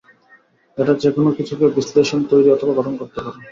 এটা যেকোনো কিছুকে বিশ্লেষণ, তৈরি অথবা গঠন করতে পারে।